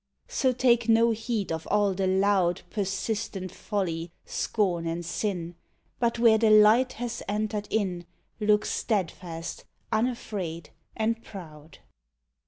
So take no heed of all the loud, Persistent folly, scorn and sin, But, where the light has entered in, Look steadfast, unafraid and proud.